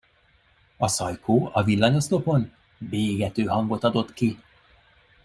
A szajkó a villanyoszlopon bégető hangot adott ki.